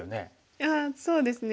いやそうですね。